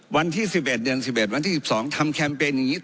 วันที่๑๑เดือน๑๑วันที่๑๒ทำแคมเปญอย่างนี้